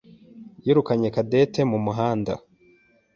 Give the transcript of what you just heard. yirukanye Cadette mu muhanda.